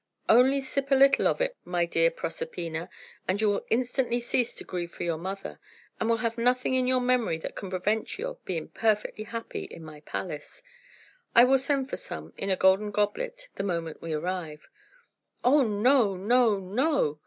Only sip a little of it, my dear Proserpina, and you will instantly cease to grieve for your mother, and will have nothing in your memory that can prevent your being perfectly happy in my palace. I will send for some, in a golden goblet, the moment we arrive." "Oh no, no, no!"